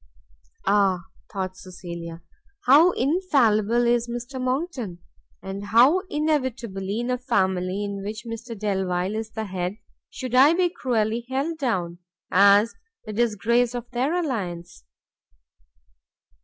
Ah! thought Cecilia, how infallible is Mr Monckton! and how inevitably, in a family of which Mr Delvile is the head, should I be cruelly held down, as the disgrace of their alliance!